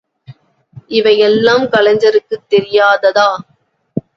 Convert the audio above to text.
இவையெல்லாம் கலைஞருக்குத் தெரியாததா?